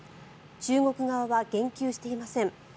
中国側は言及していません。